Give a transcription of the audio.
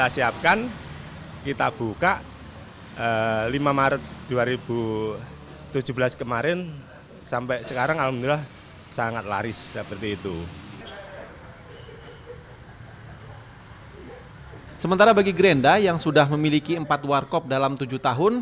sementara bagi grenda yang sudah memiliki empat warkop dalam tujuh tahun